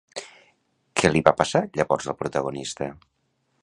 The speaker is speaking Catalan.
Què li va passar llavors al protagonista?